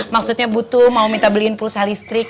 maksudnya butuh mau minta beliin pulsa listrik